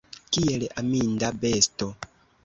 Kiel aminda besto!